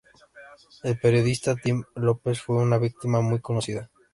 El periodista Tim Lopes fue una víctima muy conocida.